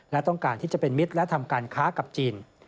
และต้องการที่จะเป็นมิตรและทำการค้ากับจีน